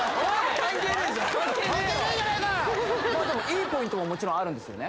関係ねえよでも良いポイントももちろんあるんですよね？